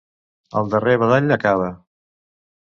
El darrer badall acaba.